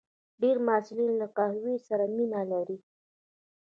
ډېری محصلین له قهوې سره مینه لري.